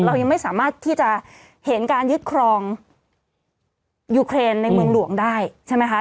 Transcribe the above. เรายังไม่สามารถที่จะเห็นการยึดครองยูเครนในเมืองหลวงได้ใช่ไหมคะ